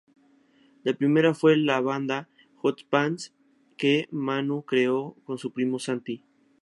La primera fue la banda Hot Pants, que Manu creo con su primo Santi.